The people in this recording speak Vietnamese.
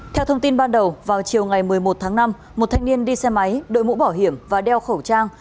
theo thông tin ban đầu vào chiều ngày một mươi một tháng năm một thanh niên đi xe máy đội mũ bảo hiểm và đeo khẩu trang